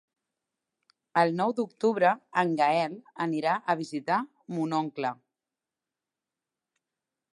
El nou d'octubre en Gaël anirà a visitar mon oncle.